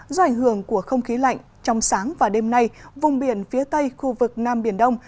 do ảnh hưởng của không khí lạnh trong sáng và đêm nay vùng biển phía tây khu vực nam biển đông